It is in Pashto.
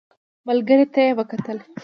ملګرو ته يې وکتل.